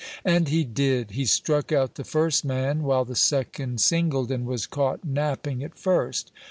And he did. He struck out the first man, while the second singled and was caught napping at first.